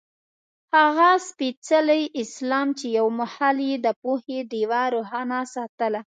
هغه سپېڅلی اسلام چې یو مهال یې د پوهې ډېوه روښانه ساتله.